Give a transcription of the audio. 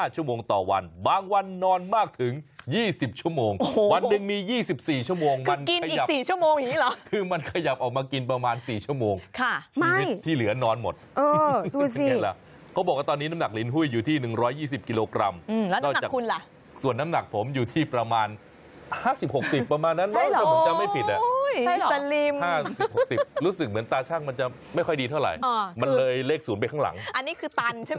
๒๐ชั่วโมงวันหนึ่งมี๒๔ชั่วโมงคือกินอีก๔ชั่วโมงอย่างนี้หรอคือมันขยับออกมากินประมาณ๔ชั่วโมงชีวิตที่เหลือนอนหมดเออดูสิเขาบอกว่าตอนนี้น้ำหนักลิ้นหุ้ยอยู่ที่๑๒๐กิโลกรัมแล้วน้ำหนักคุณล่ะส่วนน้ำหนักผมอยู่ที่ประมาณ๕๐๖๐ประมาณนั้นแล้วผมจำให้ผิดอ่ะโอ้ยสลิม๕๐๖๐รู้สึกเห